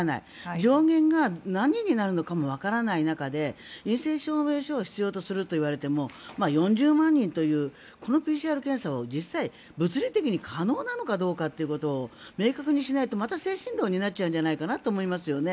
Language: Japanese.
上限が何人になるかもわからない中で陰性証明書を必要するとしても４０万人というこのＰＣＲ検査が実際、物理的に可能なのかどうかってことを明確にしないとまた精神論になるのではと思いますよね。